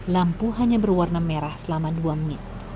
lampu hanya berwarna merah selama dua menit